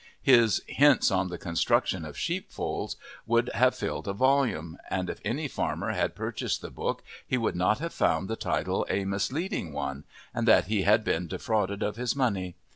His "hints on the construction of sheep folds" would have filled a volume; and if any farmer had purchased the book he would not have found the title a misleading one and that he had been defrauded of his money.